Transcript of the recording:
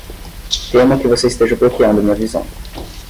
Temo que você esteja bloqueando minha visão.